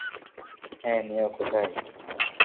হ্যাঁ, নিও কোথায়?